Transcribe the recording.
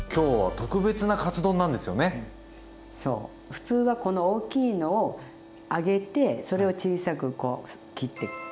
普通はこの大きいのを揚げてそれを小さくこう切ってって。